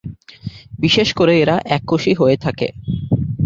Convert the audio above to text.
বিশেষ করে এরা এককোষী হয়ে থাকে।